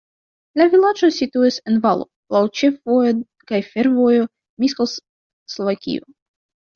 La vilaĝo situas en valo, laŭ ĉefvojo kaj fervojo Miskolc-Slovakio.